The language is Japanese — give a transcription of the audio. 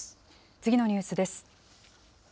次のニュースです。